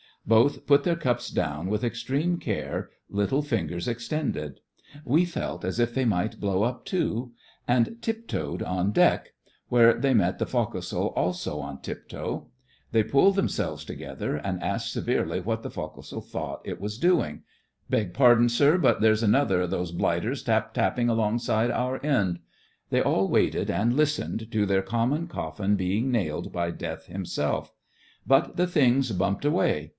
Both put their cups down with extreme care, little fingers extended ("We felt as if they might blow up, too"), and tip toed on deck, where they met the foc'sle also on tip toe. They pulled themselves together, and asked severely what the foc'sle thought it THE FRINGES OF THE FLEET 95 was doing. "Beg pardon, sir, but there's another of those blighters tap tapping alongside, our end." They all waited and listened to their common coflBn being nailed by Death himself. But the things bumped away.